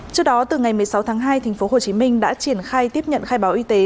trước đó từ ngày một mươi sáu tháng hai thành phố hồ chí minh đã triển khai tiếp nhận khai báo y tế